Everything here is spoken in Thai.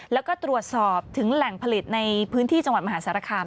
แล้วก็ตรวจสอบถึงแหล่งผลิตในพื้นที่จังหวัดมหาสารคาม